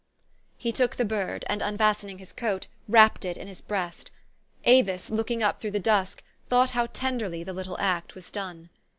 He took the bird, and, unfastening his coat, wrapped it in his breast. Avis, looking up through the dusk, thought how tenderly the little act was done.